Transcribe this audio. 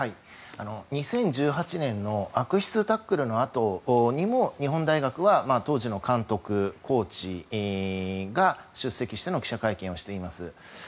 ２０１８年の悪質タックルのあとにも日本大学は当時の監督、コーチが出席しての記者会見をしてます。